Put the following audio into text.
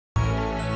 tunggu aja three